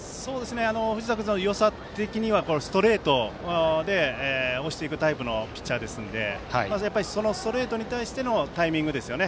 藤田君のタイプとしてはストレートで押していくタイプのピッチャーですしストレートに対してのタイミングですよね。